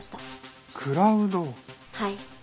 はい。